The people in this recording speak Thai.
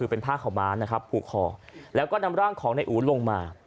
เป็นผ้าขาวม้านะครับผูกคอแล้วก็นำร่างของนายอู๋ลงมา